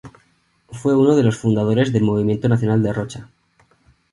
Fue uno de los fundadores del Movimiento Nacional de Rocha.